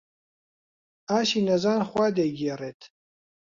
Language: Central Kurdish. ئاشی نەزان خوا دەیگێڕێت.